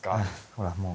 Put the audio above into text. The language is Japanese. ほらもう。